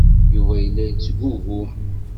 Yuba yella yettgugum.